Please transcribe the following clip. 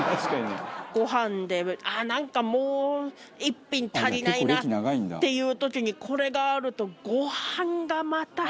ご飯でなんかもう一品足りないなっていう時にこれがあるとご飯がまた。